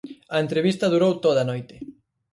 A entrevista durou toda a noite.